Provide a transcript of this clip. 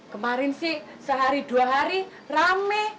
kemarin sih sehari dua hari rame